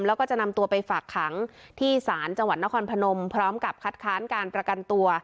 แล้วก็จะนำตัวไปฝากขังที่ศาลจังหวัดนครพนมพร้อมกับคัดค้านการประกันตัว